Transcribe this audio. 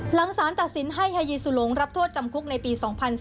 หลังสารตัดสินให้ไฮยีสุลงรับโทษจำคุกในปี๒๔